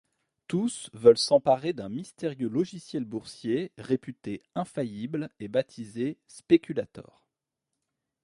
Tous veulent s'emparer d'un mystérieux logiciel boursier réputé infaillible et baptisé Spéculator.